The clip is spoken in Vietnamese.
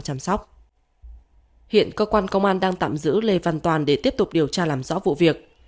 chăm sóc hiện cơ quan công an đang tạm giữ lê phong toàn để tiếp tục điều tra làm rõ vụ việc